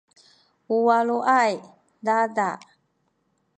u walay dada’